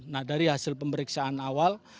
nah dari hasil pemeriksaan awal